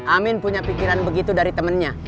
amin punya pikiran begitu dari temannya